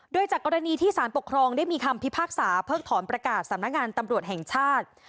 โดยจากกรณีที่สารปกครองได้มีคำพิพากษาเพิ่งถอนประกาศสำนักงานตำรวจแห่งชาติ